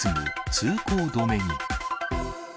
通行止めに。